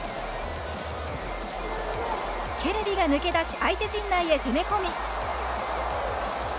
ケレビが抜け出し相手陣内へ攻め込み。